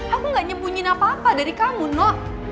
aku gak nyebunyin apa apa dari kamu no